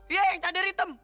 iya yang cadar hitam